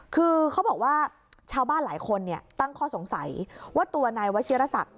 คือเขาบอกว่าชาวบ้านหลายคนตั้งข้อสงสัยว่าตัวนายวชิรษัก